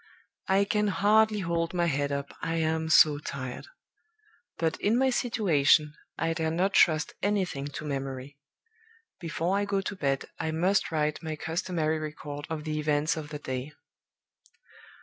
I can hardly hold my head up, I am so tired. But in my situation, I dare not trust anything to memory. Before I go to bed, I must write my customary record of the events of the day.